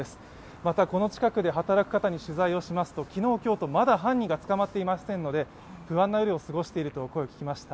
また、この近くで働く方に取材しますと昨日、今日とまだ犯人が捕まっていませんので不安な夜を過ごしていると声を聞きました。